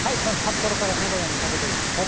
まず札幌から名古屋にかけてです。